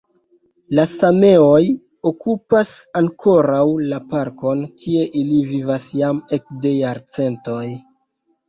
La sameoj okupas ankoraŭ la parkon, kie ili vivas jam ekde jarcentoj.